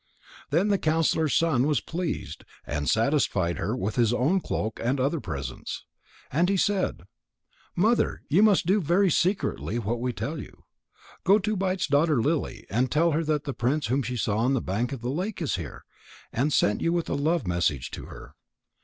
Then the counsellor's son was pleased and satisfied her with his own cloak and other presents. And he said: "Mother, you must do very secretly what we tell you. Go to Bite's daughter Lily, and tell her that the prince whom she saw on the bank of the lake is here, and sent you with a love message to her."